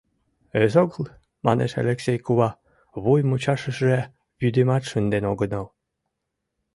— Эсогыл, — манеш Элексей кува, — вуй мучашешыже вӱдымат шынден огынал.